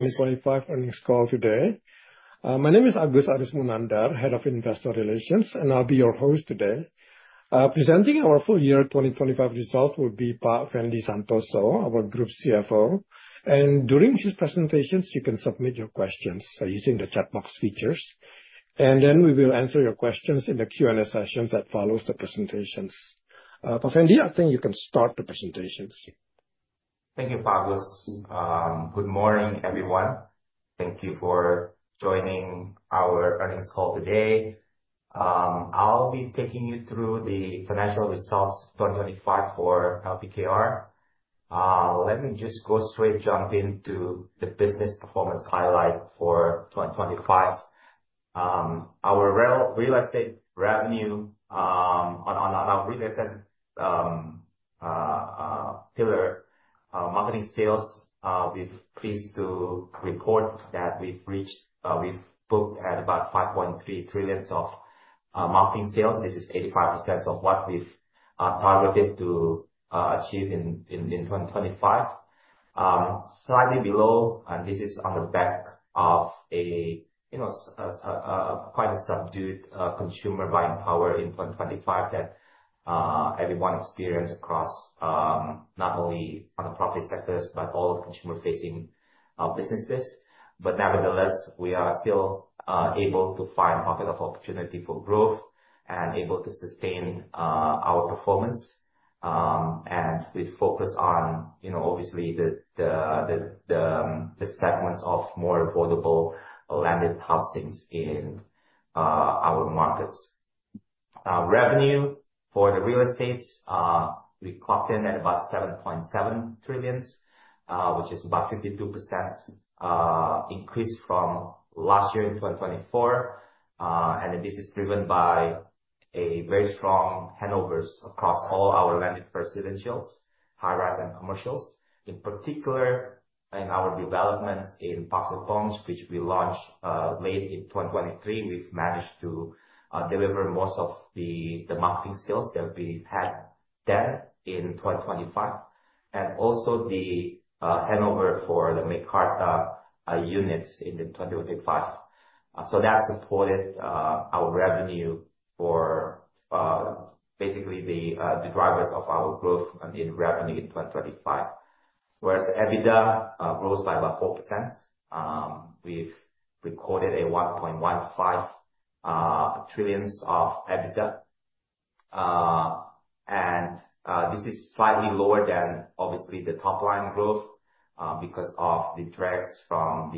2025 earnings call today. My name is Agus Arismunandar, Head of Investor Relations, and I'll be your host today. Presenting our Full Year 2025 Results will be Pak Fendi Santoso, our Group CFO. During his presentations you can submit your questions using the chat box features, and then we will answer your questions in the Q&A sessions that follows the presentations. Pak Fendi, I think you can start the presentations. Thank you, Agus. Good morning, everyone. Thank you for joining our earnings call today. I'll be taking you through the financial results 2025 for LPKR. Let me just jump straight into the business performance highlight for 2025. Our real estate revenue on our real estate pillar, marketing sales, we're pleased to report that we've booked at about 5.3 trillion of marketing sales. This is 85% of what we've targeted to achieve in 2025. Slightly below, and this is on the back of such a quite subdued consumer buying power in 2025 that everyone experienced across, not only on the property sectors, but all of the consumer-facing businesses. Nevertheless, we are still able to find pocket of opportunity for growth and able to sustain our performance. We focus on, obviously, the segments of more affordable landed housings in our markets. Revenue for the real estate we clocked in at about 7.7 trillion, which is about 52% increase from last year in 2024. This is driven by a very strong handovers across all our landed residentials, high-rise and, commercials. In particular, in our developments in Pasir Panjang, which we launched late in 2023. We've managed to deliver most of the marketing sales that we had there in 2025. Also the handover for the Meikarta units in the 2025. That supported our revenue for basically the drivers of our growth in revenue in 2025. Whereas EBITDA grows by about 4%. We've recorded 1.15 trillion of EBITDA. This is slightly lower than obviously the top line growth because of the drags from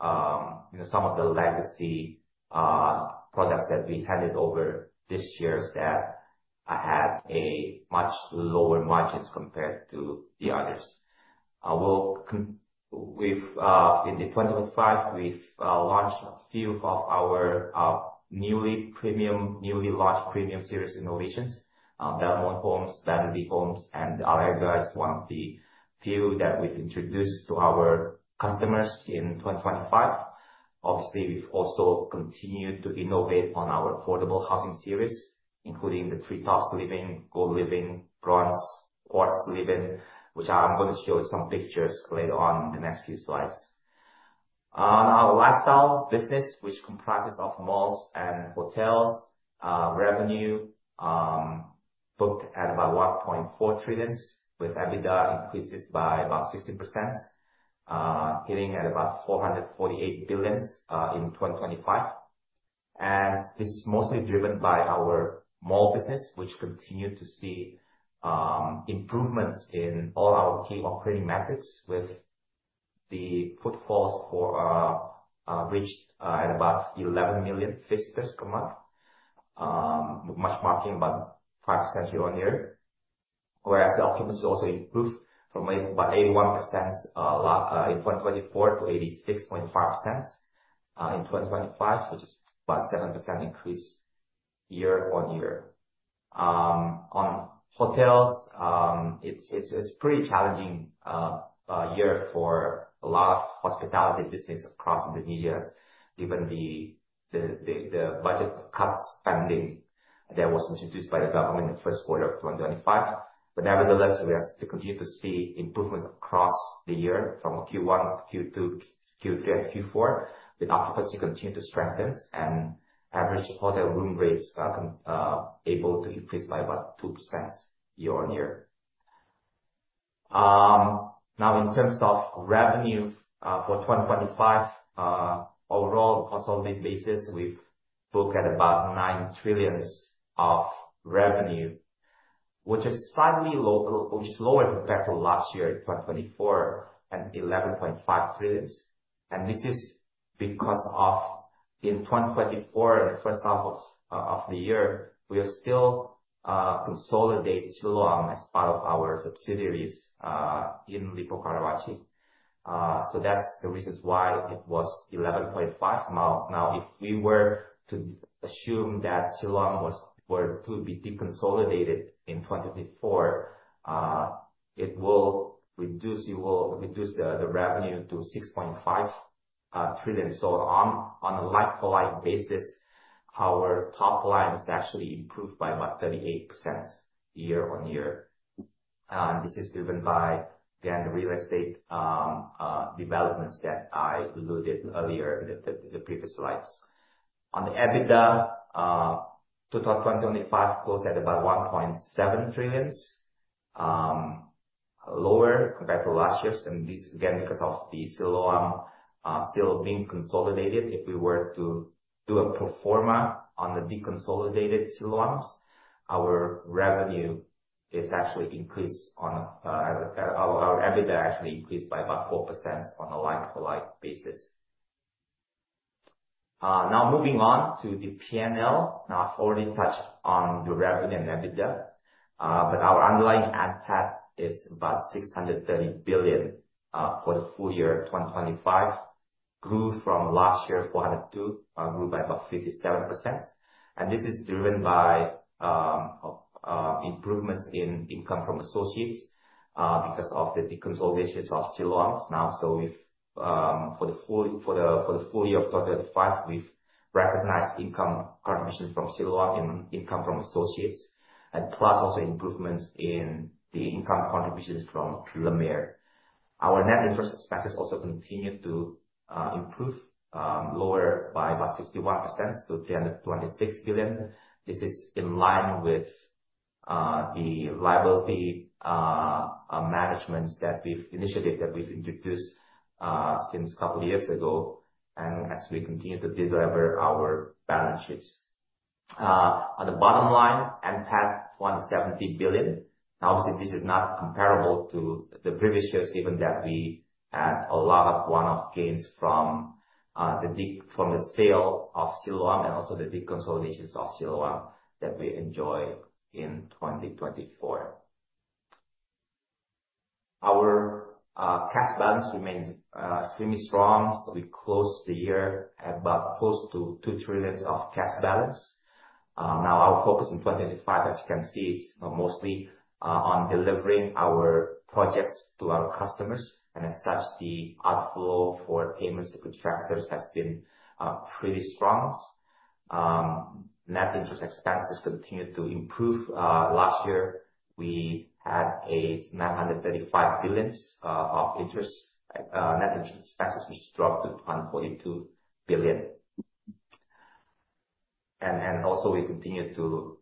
some of the legacy products that we handed over this year that had much lower margins compared to the others. In 2025, we launched a few of our newly launched premium series innovations. Belmont Homes, Vanity Homes, and Aryaduta are among the few that we've introduced to our customers in 2025. Obviously, we've also continued to innovate on our affordable housing series, including the TreeTops Livin, Gold Livin, Bronze Livin, Quartz Livin, which I'm gonna show you some pictures later on in the next few slides. On our lifestyle business, which comprises of malls and hotels, revenue booked at about 1.4 trillion, with EBITDA increases by about 60%, hitting at about 448 billion, in 2025. This is mostly driven by our mall business, which continued to see improvements in all our key operating metrics with the footfalls reached at about 11 million visitors per month, much higher about 5% year-on-year. Whereas the occupancy also improved from about 81% in 2024 to 86.5% in 2025. Just about 7% increase year-on-year. On hotels, it's pretty challenging year for a lot of hospitality business across Indonesia given the budget cuts spending that was introduced by the government in the first quarter of 2025. Nevertheless, we have to continue to see improvements across the year from Q1 to Q2, Q3 and Q4, with occupancy continue to strengthen and average hotel room rates are able to increase by about 2% year-on-year. Now in terms of revenue, for 2025, overall consolidated basis, we've booked at about 9 trillion of revenue, which is slightly lower compared to last year in 2024 and 11.5 trillion. This is because of in 2024, the first half of the year, we are still consolidate Siloam as part of our subsidiaries in Lippo Karawaci. That's the reasons why it was 11.5 trillion. Now if we were to assume that Siloam was to be deconsolidated in 2024, it will reduce the revenue to 6.5 trillion. On a like-for-like basis, our top line was actually improved by about 38% year-on-year. This is driven by, again, the real estate developments that I alluded earlier in the previous slides. On the EBITDA, 2025 closed at about 1.7 trillion, lower compared to last year, and this again, because of the Siloam still being consolidated. If we were to do a pro forma on the deconsolidated Siloam, our EBITDA actually increased by about 4% on a like-for-like basis. Now moving on to the P&L. Now, I've already touched on the revenue and EBITDA, but our underlying adjusted NPAT is about 630 billion for the full year 2025. Grew from last year 402 billion. Grew by about 57%. This is driven by improvements in income from associates because of the deconsolidation of Siloam now. For the full year of 2025, we've recognized income contribution from Siloam and income from associates, and plus also improvements in the income contributions from Lippo Malls Indonesia Retail Trust. Our net interest expenses also continued to improve, lower by about 61% to 326 billion. This is in line with the liability management that we've initiated, that we've introduced since a couple of years ago, and as we continue to de-lever our balance sheets. On the bottom line, NPAT 170 billion. Now, obviously this is not comparable to the previous years, given that we had a lot of one-off gains from the sale of Siloam and also the deconsolidations of Siloam that we enjoyed in 2024. Our cash balance remains extremely strong. We closed the year at about close to 2 trillion cash balance. Now our focus in 2025, as you can see, is mostly on delivering our projects to our customers, and as such, the outflow for payments to contractors has been pretty strong. Net interest expenses continued to improve. Last year we had 935 billion of interest. Net interest expenses, which dropped to 142 billion. Also we continued to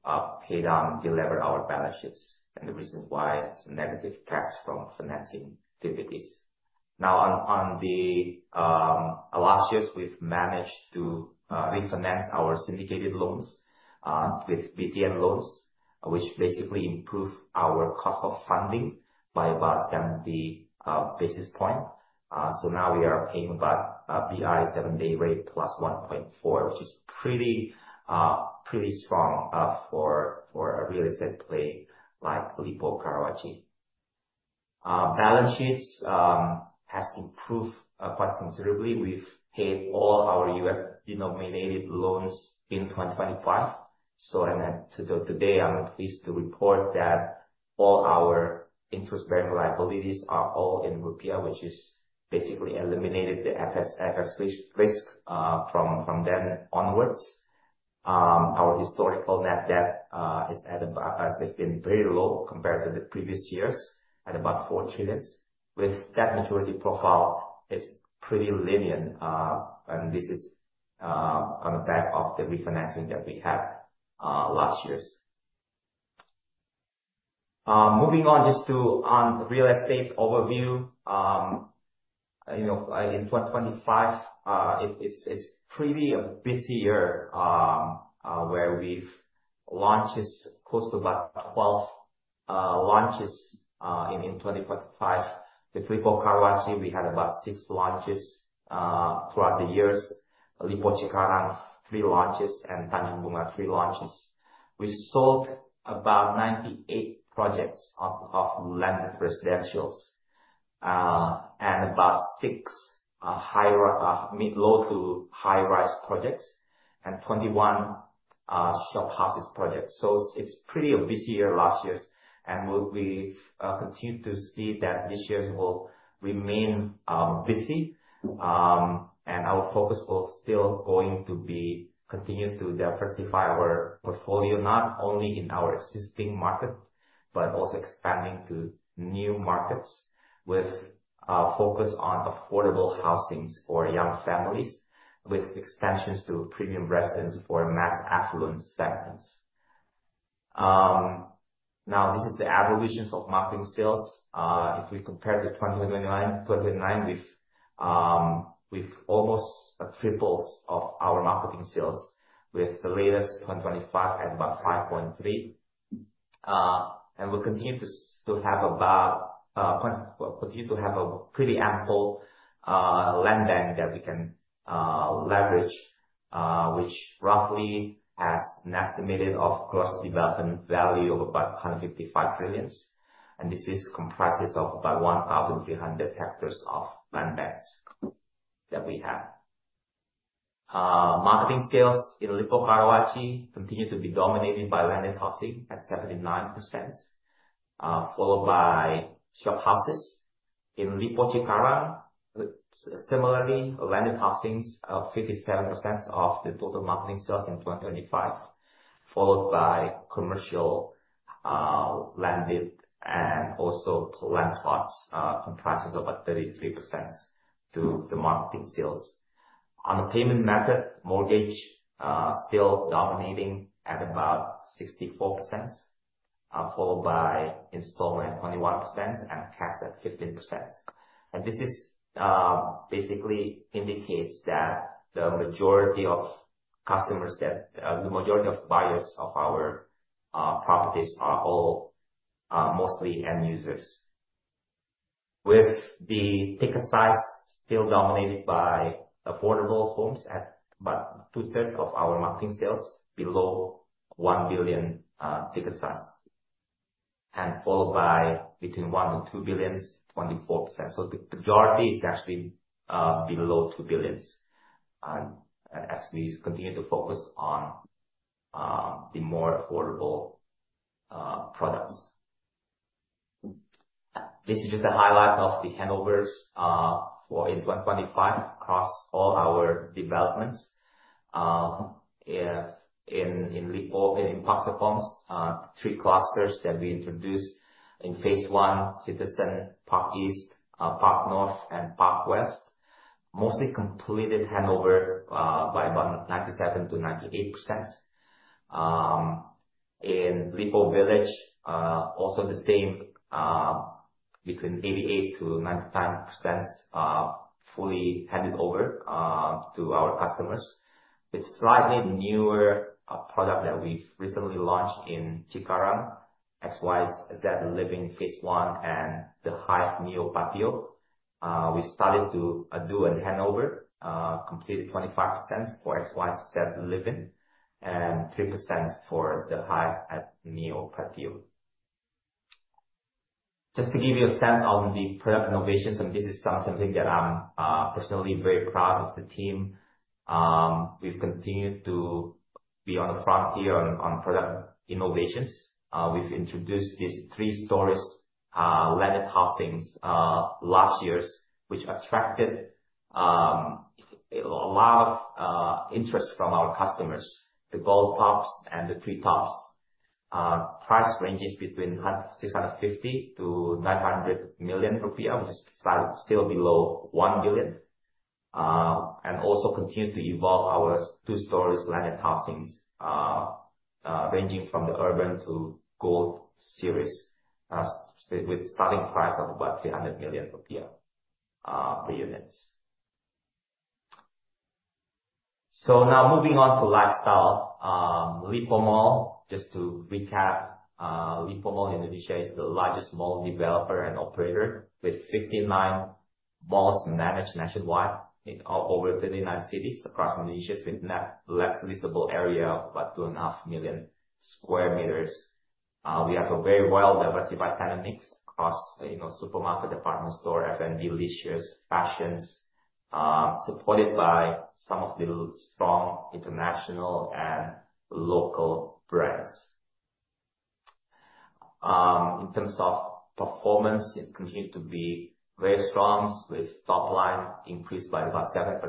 pay down and delever our balance sheets, and the reasons why it's negative cash from financing activities. Now, on the last year's, we've managed to refinance our syndicated loans with BTN loans, which basically improved our cost of funding by about 70 basis points. Now we are paying about BI 7-day rate +1.4, which is pretty strong for a real estate play like Lippo Karawaci. Balance sheets has improved quite considerably. We've paid all our US-denominated loans in 2025. Today I'm pleased to report that all our interest bearing liabilities are all in rupiah, which has basically eliminated the FX risk from then onwards. Our historical net debt has been very low compared to the previous years, at about 4 trillion, with debt maturity profile pretty linear. This is on the back of the refinancing that we had last year. Moving on just to real estate overview. In 2025 it is, it's pretty busy year, where we had close to about 12 launches in 2025. With Lippo Karawaci we had about six launches throughout the years. Lippo Cikarang, three launches and Tanjung Bungah, three launches. We sold about 98 projects of landed residential and about 6 mid-low to high-rise projects and 21 shophouse projects. It's a pretty busy year last year, and we'll continue to see that this year will remain busy. Our focus will still going to be continue to diversify our portfolio, not only in our existing market, but also expanding to new markets with a focus on affordable housing for young families with expansions to premium residences for mass affluent segments. Now this is the aggregation of marketing sales. If we compare to 2019 we've almost tripled our marketing sales with the latest 2025 at about 5.3%. We continue to have a pretty ample land bank that we can leverage, which roughly has an estimated gross development value of about 155 trillion. This comprises about 1,300 hectares of land banks that we have. Marketing sales in Lippo Karawaci continue to be dominated by landed housing at 79%, followed by shophouses. In Lippo Cikarang, similarly, landed housing is 57% of the total marketing sales in 2025, followed by commercial land and also land plots, which comprise about 33% of the marketing sales. On the payment method, mortgage still dominating at about 64%, followed by installment 21% and cash at 15%. This basically indicates that the majority of buyers of our properties are all mostly end users. With the ticket size still dominated by affordable homes at about two-thirds of our marketing sales below 1 billion ticket size. Followed by between 1 billion and 2 billion, 24%. The majority is actually below 2 billion. As we continue to focus on the more affordable products. This is just the highlights of the handovers for 2025 across all our developments. In Lippo Parks, 3 clusters that we introduced in phase I, Cityzen Park East, Park North and Park West, mostly completed handover by about 97%-98%. In Lippo Village, also the same, between 88%-99%, fully handed over to our customers. The slightly newer product that we've recently launched in Cikarang, XYZ Livin phase I and The Hive at Neo Patio. We started to do a handover, completed 25% for XYZ Livin and 3% for The Hive at Neo Patio. Just to give you a sense on the product innovations, and this is something that I'm personally very proud of the team. We've continued to be on the frontier on product innovations. We've introduced these three-story landed housings last year, which attracted a lot of interest from our customers. The Gold Tops and the TreeTops. Price ranges between 650 million to 900 million rupiah, which is still below 1 billion. Also continue to evolve our two-story landed housings, ranging from the Urban to Gold series, with starting price of about 300 million rupiah per unit. Now moving on to Lifestyle. Lippo Malls Indonesia, just to recap, is the largest mall developer and operator with 59 malls managed nationwide in over 39 cities across Indonesia, with net leasable area of about 2.5 million sq m. We have a very well-diversified tenant mix across supermarket, department store, F&B, leisure, fashions, supported by some of the strong international and local brands. In terms of performance, it continued to be very strong with top line increased by about 7%,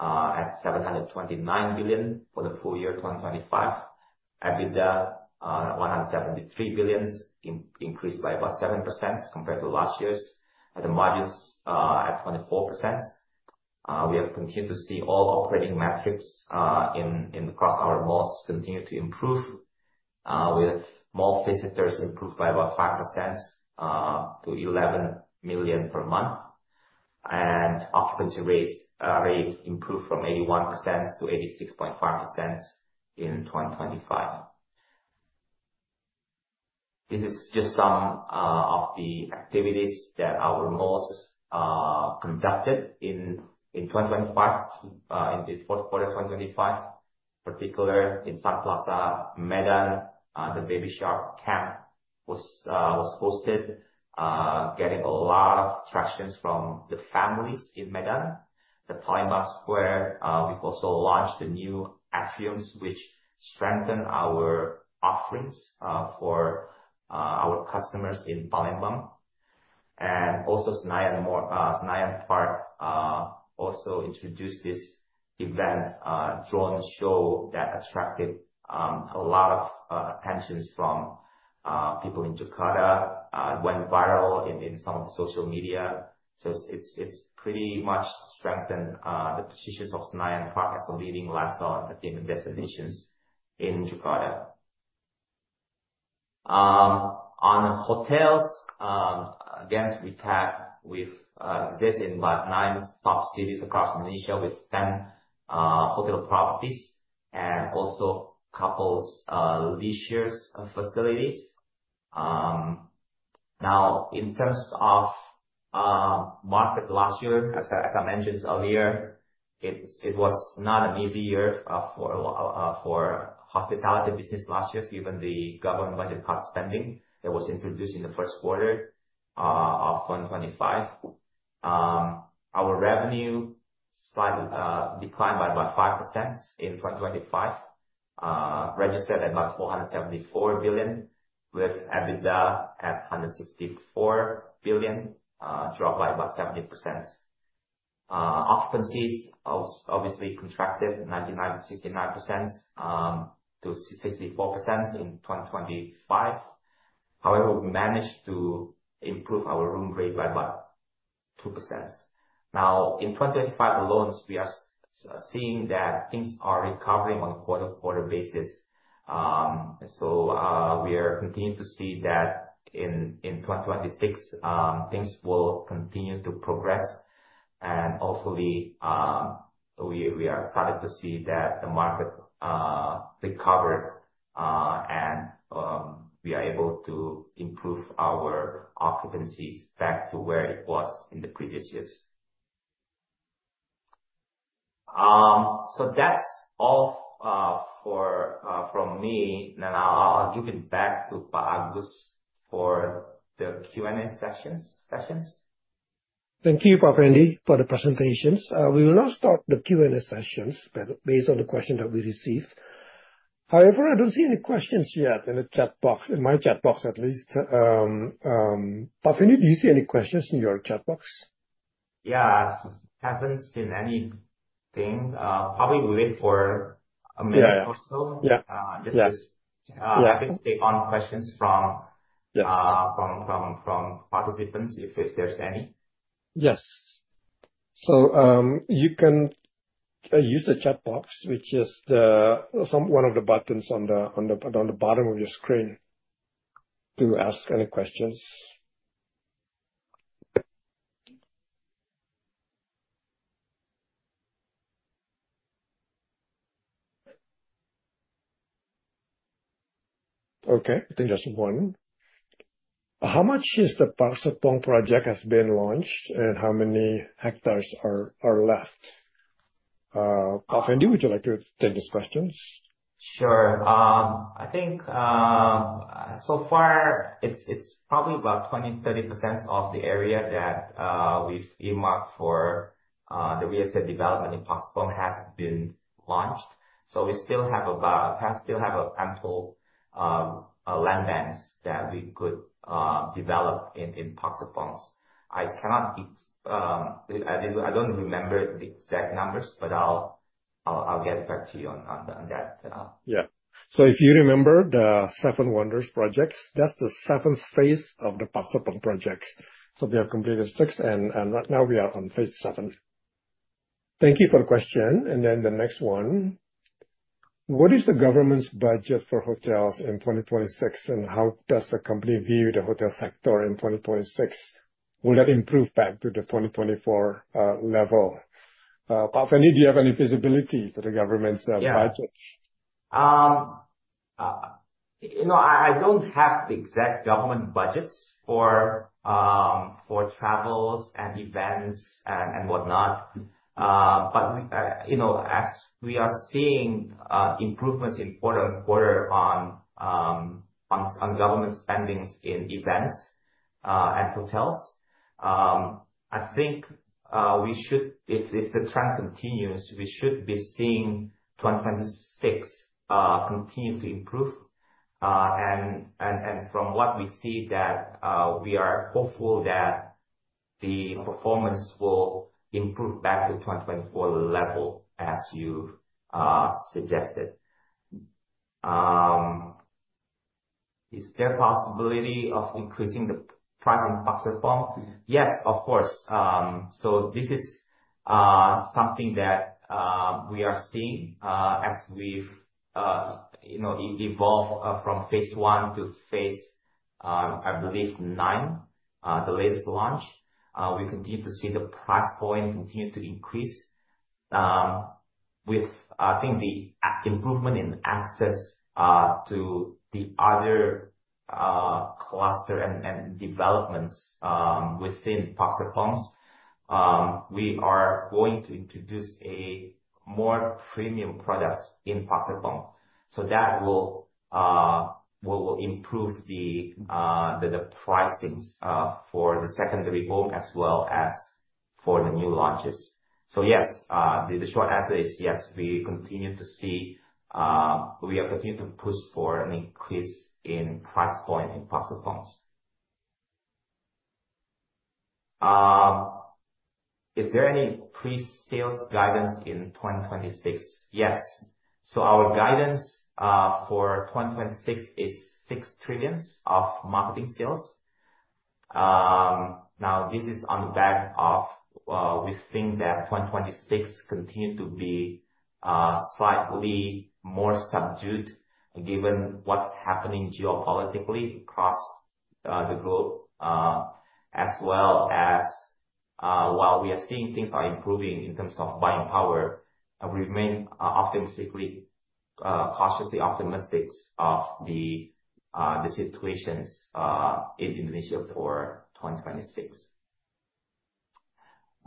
at 729 billion for the full year 2025. EBITDA 173 billion, increased by about 7% compared to last year's. The margins at 24%. We have continued to see all operating metrics across our malls continue to improve, with mall visitors improved by about 5%, to 11 million per month. Occupancy rates improved from 81%-86.5% in 2025. This is just some of the activities that our malls conducted in 2025, in the fourth quarter of 2025. Particularly in Sun Plaza, Medan, the Baby Shark Camp was hosted, attracting a lot of attention from the families in Medan. The Palembang Square, we've also launched the new Atriums which strengthen our offerings for our customers in Palembang. Senayan Park also introduced this event, a drone show that attracted a lot of attention from people in Jakarta. It went viral in some of the social media. It's pretty much strengthened the position of Senayan Park as a leading lifestyle and entertainment destination in Jakarta. On hotels, again, we have existing in about 9 top cities across Indonesia with 10 hotel properties and also a couple of leisure facilities. Now in terms of market last year, as I mentioned earlier, it was not an easy year for hospitality business last year, given the government budget cut spending that was introduced in the first quarter of 2025. Our revenue slightly declined by about 5% in 2025, registered at about 474 billion, with EBITDA 164 billion, dropped by about 70%. Occupancies obviously contracted 69%-64% in 2025. However, we managed to improve our room rate by about 2%. Now, in 2025 alone, we are seeing that things are recovering on quarter-to-quarter basis. We are continuing to see that in 2026, things will continue to progress. We are starting to see that the market recovered, and we are able to improve our occupancies back to where it was in the previous years. That's all from me. I'll give it back to Pak Agus for the Q&A sessions. Thank you, Pak Fendi, for the presentations. We will now start the Q&A sessions based on the questions that we received. However, I don't see any questions yet in the chat box, in my chat box at least. Pak Fendi, do you see any questions in your chat box? Haven't seen anything. Probably we wait for a minute or so. Yes. Just as happy to take on questions from participants, if there's any. Yes. You can use the chat box, which is one of the buttons on the bottom of your screen to ask any questions. Okay. I think there's one. How much of the Park Serpong project has been launched, and how many hectares are left? Pak Fendi, would you like to take these questions? Sure. I think so far it's probably about 20-30% of the area that we've earmarked for the real estate development in Park Serpong has been launched. We still have ample land banks that we could develop in Park Serpong. I cannot give. I don't remember the exact numbers, but I'll get back to you on that. If you remember the Seven Wonders projects, that's the VII phase of the Park Serpong projects. We have completed six and right now we are on phase VII. Thank you for the question. Then the next one. What is the government's budget for hotels in 2026, and how does the company view the hotel sector in 2026? Will it improve back to the 2024 level? Pak Fendi, do you have any visibility for the government's budgets? I don't have the exact government budgets for travels and events and whatnot. As we are seeing improvements in quarter-over-quarter government spending in events and hotels, I think we should. If the trend continues, we should be seeing 2026 continue to improve. From what we see, we are hopeful that the performance will improve back to 2024 level as you suggested. Is there possibility of increasing the price on Park Serpong? Yes, of course. So this is something that we are seeing as we've evolved from phase I to phase IX, the latest launch. We continue to see the price point continue to increase with I think the improvement in access to the other cluster and developments within Park Serpong. We are going to introduce more premium products in Park Serpong. That will improve the pricings for the secondary home as well as for the new launches. Yes, the short answer is yes, we continue to see, we are continuing to push for an increase in price point in Park Serpong. Is there any pre-sales guidance in 2026? Yes. Our guidance for 2026 is 6 trillion of marketing sales. Now this is on the back of, we think that 2026 continue to be slightly more subdued given what's happening geopolitically across the globe, as well as while we are seeing things are improving in terms of buying power, we remain cautiously optimistic about the situation in Indonesia for 2026.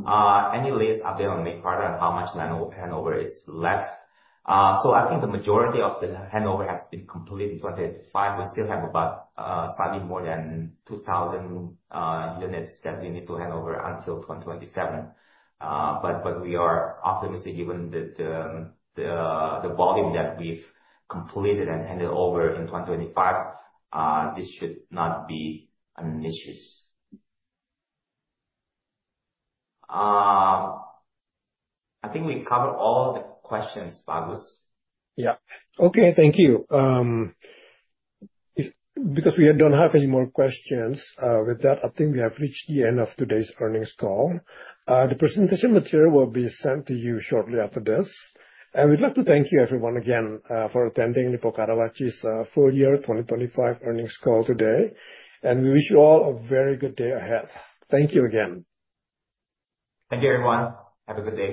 Any lease update on the product and how much land handover is left? I think the majority of the handover has been complete in 2025. We still have about slightly more than 2,000 units that we need to handover until 2027. But we are optimistic, given that the volume that we've completed and handed over in 2025, this should not be an issue. I think we covered all of the questions, Pak Agus. Thank you. Because we don't have any more questions, with that, I think we have reached the end of today's earnings call. The presentation material will be sent to you shortly after this. We'd love to thank you everyone, again for attending the Lippo Karawaci's Full Year 2025 Earnings Call today. We wish you all a very good day ahead. Thank you again. Thank you everyone. Have a good day.